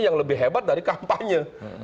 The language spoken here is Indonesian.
yang lebih hebat dari kampanye